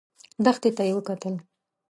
دښتې ته يې وکتل.